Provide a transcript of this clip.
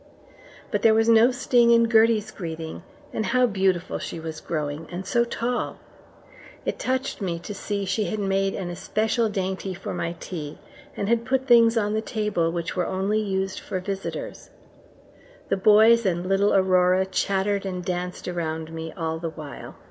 But there was no sting in Gertie's greeting, and how beautiful she was growing, and so tall! It touched me to see she had made an especial dainty for my tea, and had put things on the table which were only used for visitors. The boys and little Aurora chattered and danced around me all the while.